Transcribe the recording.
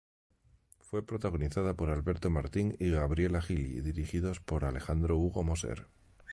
Fue protagonizada por Alberto Martín y Gabriela Gili dirigidos por Alejandro Hugo Moser.